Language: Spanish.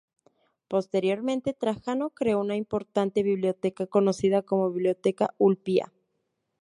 Posteriormente, Trajano creó una importante biblioteca conocida como Biblioteca Ulpia.